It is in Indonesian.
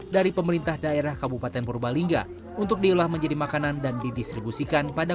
dari pemerintah daerah kabupaten purbalingga untuk diolah menjadi makanan dan didistribusikan pada